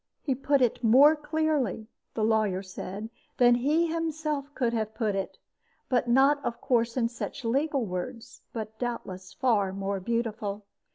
He put it more clearly, the lawyer said, than he himself could have put it, but not, of course, in such legal words, but doubtless far more beautiful.